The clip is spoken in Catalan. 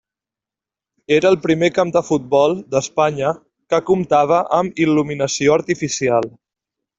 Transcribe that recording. Era el primer camp de futbol d'Espanya que comptava amb il·luminació artificial.